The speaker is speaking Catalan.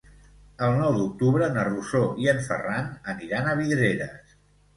El nou d'octubre na Rosó i en Ferran aniran a Vidreres.